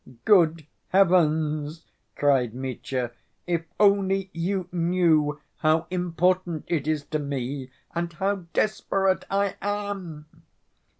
"Good heavens!" cried Mitya. "If only you knew how important it is to me and how desperate I am!"